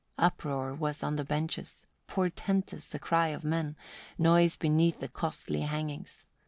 38. Uproar was on the benches, portentous the cry of men, noise beneath the costly hangings.